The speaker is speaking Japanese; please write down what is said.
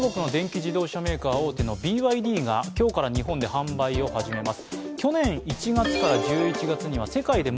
自動車メーカー大手のＢＹＤが今日から日本で販売を始めます。